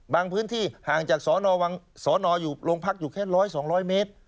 บางพื้นที่ห่างจากสอนอวังสอนออยู่โรงพักอยู่แค่ร้อยสองร้อยเมตร